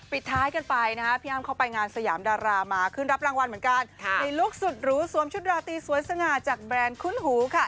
ปิดท้ายกันไปนะฮะพี่อ้ำเข้าไปงานสยามดารามาขึ้นรับรางวัลเหมือนกันในลุคสุดหรูสวมชุดราตรีสวยสง่าจากแบรนด์คุ้นหูค่ะ